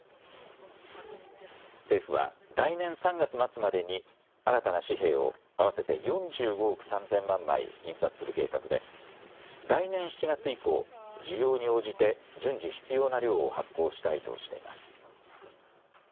政府は来年３月末までに新たな紙幣を合わせて４５億３０００万枚印刷する計画で来年７月以降、需要に応じて順次、必要な量を発行したいとしています。